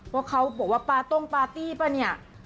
ว่าเขาบอกว่าปาต้งปาร์ตี้ป่ะเนี่ย